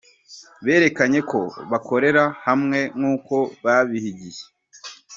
Berekanye ko bakorera hamwe nkuko babihigiye